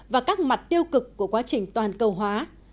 và các mặt tiêu cực của quá trình toàn cầu hóa